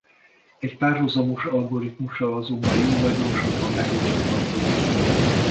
Egy párhuzamos algoritmussal azonban jóval gyorsabban megoldható a probléma.